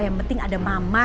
yang penting ada mama